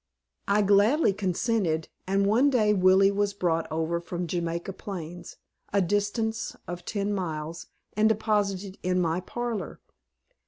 I gladly consented, and one day Willie was brought over from Jamaica Plains, a distance of ten miles, and deposited in my parlor.